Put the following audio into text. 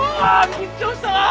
緊張した！